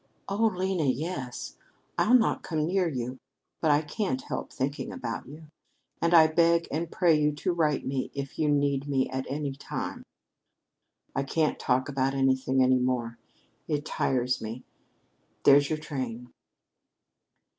"Oh, Lena, yes! I'll not come near you, but I can't help thinking about you. And I beg and pray you to write me if you need me at any time." "I can't talk about anything any more. It tires me. There's your train."